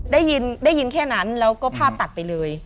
ได้ยินได้ยินแค่นั้นแล้วก็ภาพตัดไปเลย